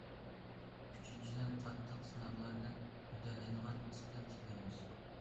ئۈچىنچىدىن، قاتتىق سىناقلاردىن ئۆتەلەيدىغان ئىستىل تىكلەيمىز.